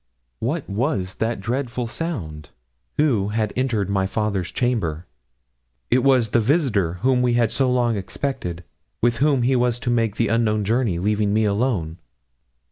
What was that dreadful sound? Who had entered my father's chamber? It was the visitor whom we had so long expected, with whom he was to make the unknown journey, leaving me alone.